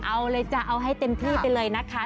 เอาเลยจ้ะเอาให้เต็มที่ไปเลยนะคะ